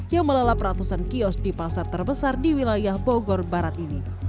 yang melalap ratusan kios di pasar terbesar di wilayah bogor barat ini